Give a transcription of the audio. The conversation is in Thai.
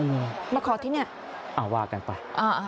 เอ๋ยมาขอทีเนี่ยอ้าววากันต่อ